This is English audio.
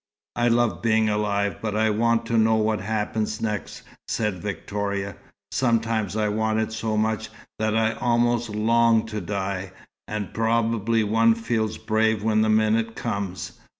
"I love being alive, but I want to know what happens next," said Victoria. "Sometimes I want it so much, that I almost long to die. And probably one feels brave when the minute comes.